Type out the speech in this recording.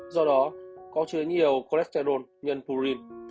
do đó có chứa nhiều cholesterol nhân purine